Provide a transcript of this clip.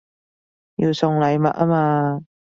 要送禮物吖嘛